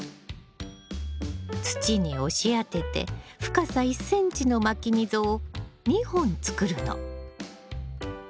土に押し当てて深さ１ｃｍのまき溝を２本作るの。